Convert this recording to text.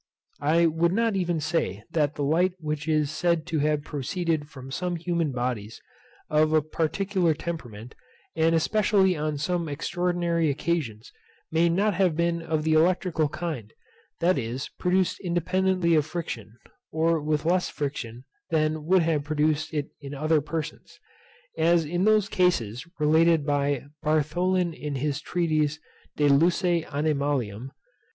I would not even say that the light which is said to have proceeded from some human bodies, of a particular temperament, and especially on some extraordinary occasions, may not have been of the electrical kind, that is, produced independently of friction, or with less friction than would have produced it in other persons; as in those cases related by Bartholin in his treatice De luce animalium.